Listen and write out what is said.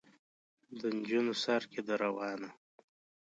د نجونو سر کې ده روانه.